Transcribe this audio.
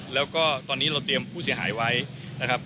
แล้วก็ตอนนี้เราเตรียมผู้เสียหายไว้นะครับ